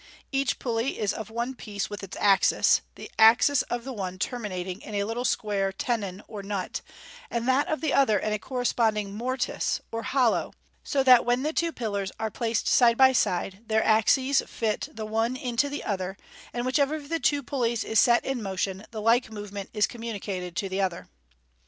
Each pulley is of one piece with its axis, the axis of the one terminating in a little square tenon or nut, and that of the other in a corresponding mortice or hollow, so that when the two pillars are placed side by side, their axes fit the one into the other, and which ever of the two pulleys is set in motion, the like movement is com municated to the other.